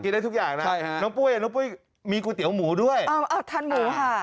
ได้ทุกอย่างนะใช่ฮะน้องปุ้ยน้องปุ้ยมีก๋วยเตี๋ยวหมูด้วยเอาทานหมูค่ะ